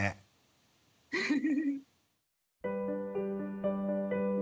フフフフッ。